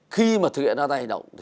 khi mà thực hiện ra tay động